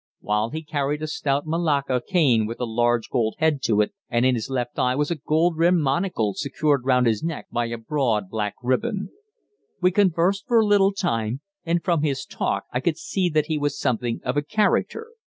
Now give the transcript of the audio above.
While he carried a stout malacca cane with a large gold head to it, and in his left eye was a gold rimmed monocle secured round his neck by a broad black ribbon. We conversed for a little time, and from his talk I could see that he was something of a character.